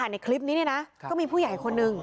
ในคลิปนี้ก็มีผู้ใหญ่คนหนึ่ง